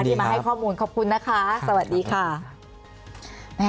ที่มาให้ข้อมูลขอบคุณนะคะสวัสดีค่ะ